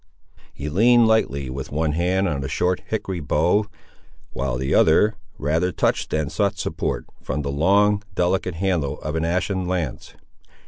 He leaned lightly with one hand on a short hickory bow, while the other rather touched than sought support, from the long, delicate handle of an ashen lance.